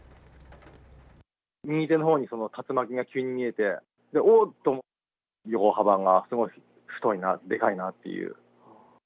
右手のほうに竜巻が急に見えて、おっと思って、横幅が太いな、でかいなっていう。